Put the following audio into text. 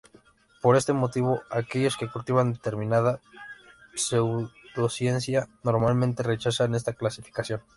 Por este motivo, aquellos que cultivan determinada "pseudociencia", normalmente rechazan esta clasificación.